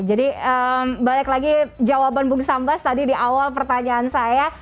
jadi balik lagi jawaban bung sambas tadi di awal pertanyaan saya